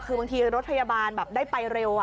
คือบางทีรถพยาบาลแบบได้ไปเร็ว